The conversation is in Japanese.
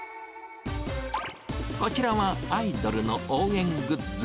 こちらは、アイドルの応援グッズ